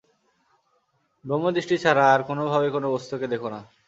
ব্রহ্মদৃষ্টি ছাড়া আর কোনভাবে কোন বস্তুকে দেখো না।